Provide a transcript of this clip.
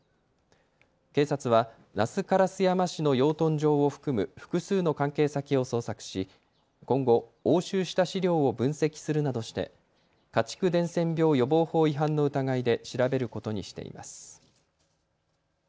警察は那須烏山市の養豚場を含む複数の関係先を捜索し今後、押収した資料を分析するなどして家畜伝染病予防法違反の疑いで調べることにしています。